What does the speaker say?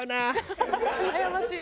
悩ましい。